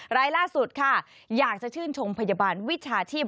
รายล่าสุดค่ะอยากจะชื่นชมพยาบาลวิชาชีพ